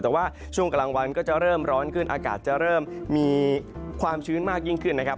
แต่ว่าช่วงกลางวันก็จะเริ่มร้อนขึ้นอากาศจะเริ่มมีความชื้นมากยิ่งขึ้นนะครับ